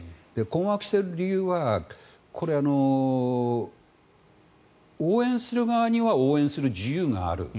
困惑している理由は応援する側には応援する自由がある。